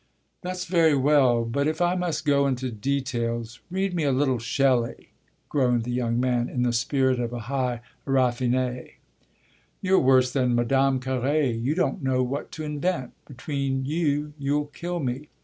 "That's very well, but if I must go into details read me a little Shelley," groaned the young man in the spirit of a high raffiné. "You're worse than Madame Carré; you don't know what to invent; between you you'll kill me!"